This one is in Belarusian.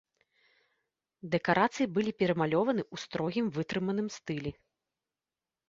Дэкарацыі былі перамалёваны ў строгім вытрыманым стылі.